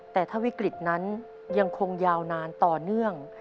แต่ถ้าวิกฤตนั้นยังคงยาวนานต่อเนื่อง